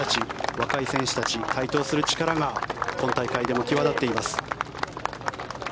若い選手たち、台頭する力が今大会でも際立っています。